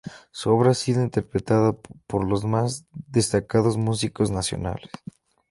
Su obra ha sido interpretada por los más destacados músicos nacionales.